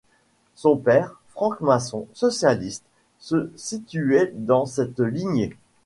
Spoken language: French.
Son père, franc-maçon, socialiste se situait dans cette lignée.